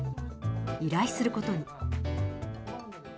依頼することに。